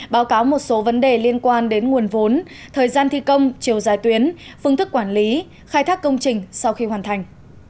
báo cáo một số vấn đề liên quan đến nguồn vốn thời gian thi công chiều dài tuyến phương thức quản lý khai thác công trình sau khi hoàn thành